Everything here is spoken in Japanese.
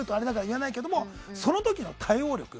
その時の対応力